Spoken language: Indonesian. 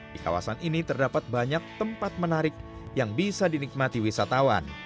di kawasan ini terdapat banyak tempat menarik yang bisa dinikmati wisatawan